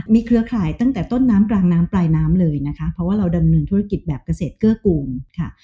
เครือข่ายตั้งแต่ต้นน้ำกลางน้ำปลายน้ำเลยนะคะเพราะว่าเราดำเนินธุรกิจแบบเกษตรเกื้อกูลค่ะ